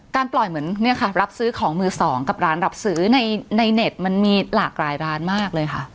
การปล่อยเหมือนเนี่ยค่ะรับซื้อของมือสองกับร้านรับซื้อในเน็ต